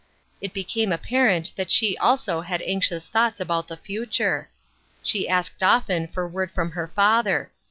It became apparent that she also had anxious thoughts about the future. She asked often for word from her father.